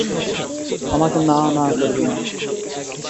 আমাকে না না করবি না।